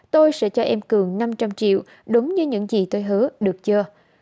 tôi sẽ cho em cường năm trăm linh triệu đúng như những gì tôi hứa được chơi